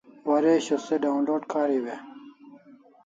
Waresho se download kariu e?